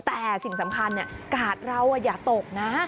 แต่สิ่งสำคัญกาดเราอย่าตกนะ